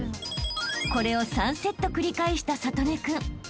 ［これを３セット繰り返した智音君］